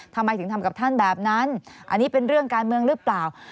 ทำไมถึงทำกับท่านแบบนั้นอันนี้เป็นเรื่องการเมืองหรือเปล่า